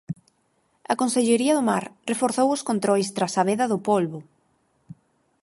A Consellería do Mar reforzou os controis tras a veda do polbo.